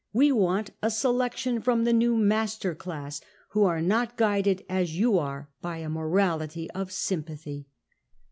We want a selec tion from the new master class {!), who are not guided as you are by a morality of sympathy."